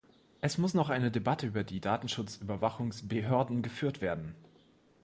Es muss noch eine Debatte über die Datenschutzüberwachungsbehörden geführt werden.